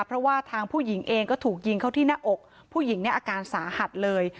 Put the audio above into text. เพราะว่าทางผู้หญิงเองก็ถูกยิงเข้าที่หน้าอกผู้หญิงเนี่ยอาการสาหัสเลย